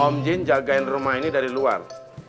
om jin jagain rumah ini dari luar